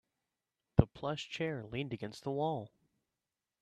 The plush chair leaned against the wall.